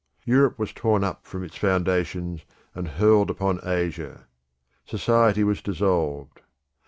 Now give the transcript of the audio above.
Europe was torn up from its foundations and hurled upon Asia. Society was dissolved.